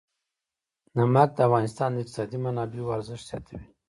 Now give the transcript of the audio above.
نمک د افغانستان د اقتصادي منابعو ارزښت زیاتوي.